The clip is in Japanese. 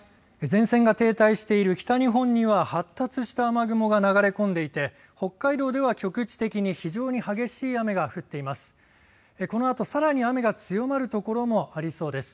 前線が停滞している北日本には発達した雨雲が流れ込んでいて北海道では局地的に非常に激しい雨が降っています。